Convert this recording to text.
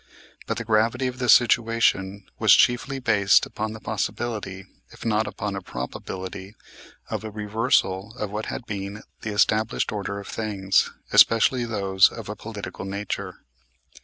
But the gravity of the situation was chiefly based upon the possibility, if not upon a probability, of a reversal of what had been the established order of things, especially those of a political nature.